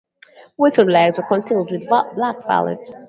Wilson's legs were concealed with black velvet.